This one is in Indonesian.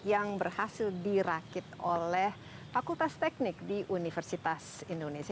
yang berhasil dirakit oleh fakultas teknik di universitas indonesia